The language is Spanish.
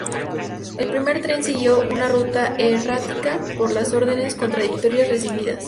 El primer tren siguió una ruta errática por las órdenes contradictorias recibidas.